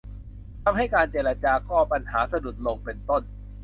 ทำให้การเจรจาก็ปัญหาสะดุดลง เป็นต้น